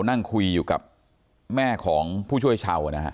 นั่งคุยอยู่กับแม่ของผู้ช่วยชาวนะฮะ